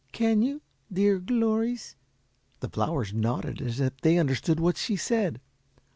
Can you, dear glories?" The flowers nodded, as if they understood what she said.